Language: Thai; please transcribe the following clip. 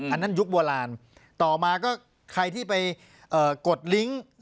อันนั้นยุคโบราณต่อมาก็ใครที่ไปกดลิงค์